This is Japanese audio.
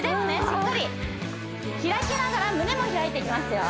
しっかり開きながら胸も開いていきますよ